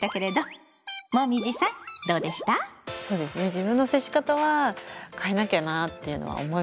自分の接し方は変えなきゃなというのは思いました。